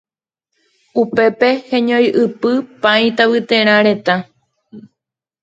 Upépe heñoiʼypy Paĩ Tavyterã retã.